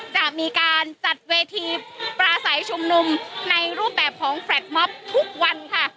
จะมีการจัดเวทีปลาสายชมนุมในรูปแบบของทุกวันค่ะ